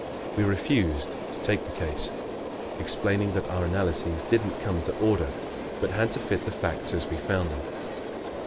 We refused to take the case, explaining that our analyses didn't come to order but had to fit the facts as we found them.